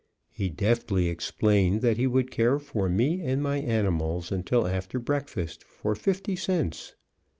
He deftly explained that he would care for me and my animals until after breakfast for fifty cents.